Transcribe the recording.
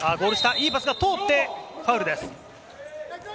いいパスが通ってファウルです。